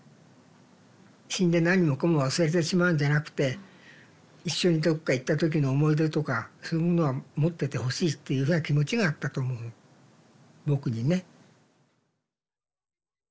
死んで何もかも忘れてしまうんじゃなくて一緒にどっか行った時の思い出とかそういうものは持っててほしいっていうような気持ちがあったと思うの「ぼく」にね。